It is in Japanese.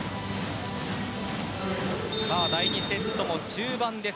第２セットの中盤です。